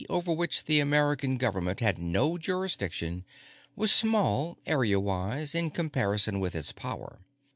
over which the American Government had no jurisdiction was small, areawise, in comparison with its power.